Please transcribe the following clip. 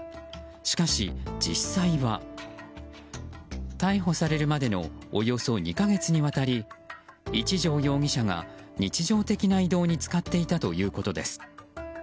しかし実際は逮捕されるまでのおよそ２か月にわたり一條容疑者が日常的な移動に使っていたということです。